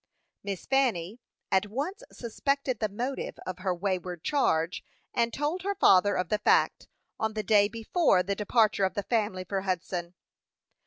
Miss Fanny at once suspected the motive of her wayward charge, and told her father of the fact, on the day before the departure of the family for Hudson.